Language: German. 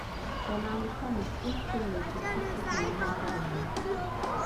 Der Name fand und findet in christlichen Ländern Verwendung.